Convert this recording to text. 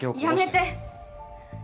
やめて。